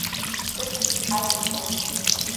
Кыр сучҳаит, избоит.